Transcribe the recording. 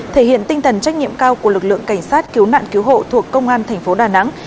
thể hiện tinh thần trách nhiệm cao của lực lượng cảnh sát cứu nạn cứu hộ thuộc công an thành phố đà nẵng